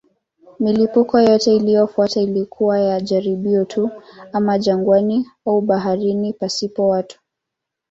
Milipuko yote iliyofuata ilikuwa ya jaribio tu, ama jangwani au baharini pasipo watu.